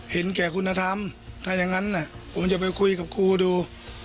เห็นแก่คุณธรรมถ้าอย่างนั้นผมจะไปคุยกับครูดู